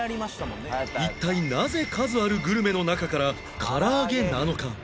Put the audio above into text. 一体なぜ数あるグルメの中からからあげなのか？